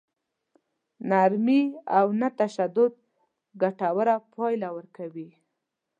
نرمي او نه تشدد ګټوره پايله ورکوي.